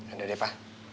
ada deh pa